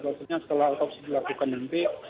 maksudnya setelah otopsi dilakukan nanti